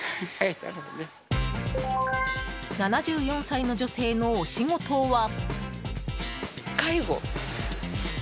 ７４歳の女性のお仕事は？